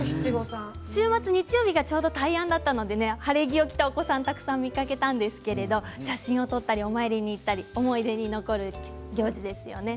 週末、日曜日がちょうど大安だったので、晴れ着を着たお子さんをたくさん見かけたんですが、写真を撮ったりお参りに行ったり思い出に残る行事ですよね。